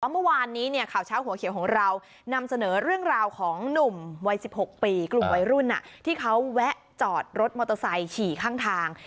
เมื่อวานนี้เนี่ยข่าวเช้าหัวเขียวของเรานำเสนอเรื่องราวของหนุ่มวัย๑๖ปีกลุ่มวัยรุ่นที่เขาแวะจอดรถมอเตอร์ไซค์ฉี่ข้างทาง